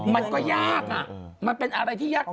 มันก็ยากมันเป็นอะไรที่ยาก